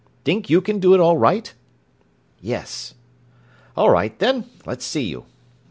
"Think you can do it all right?" "Yes." "All right then, let's see you."